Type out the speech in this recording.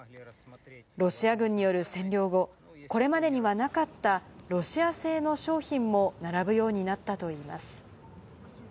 ロシア軍による占領後、これまでにはなかったロシア製の商品も並ぶようになったといいます。